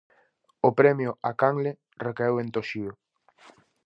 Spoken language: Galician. O Premio á Canle recaeu en Toxío.